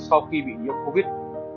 sau khi bị nhiễm covid